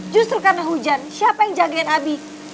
justru karena hujan siapa yang jagain abi